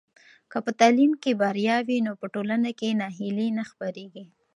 که په تعلیم کې بریا وي نو په ټولنه کې ناهیلي نه خپرېږي.